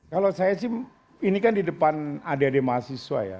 kalau saya sih ini kan di depan adik adik mahasiswa ya